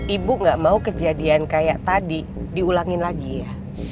ibu gak mau kejadian kayak tadi diulangin lagi ya